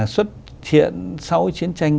xuất hiện sau chiến tranh